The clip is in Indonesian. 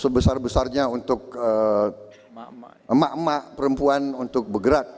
sebesar besarnya untuk emak emak perempuan untuk bergerak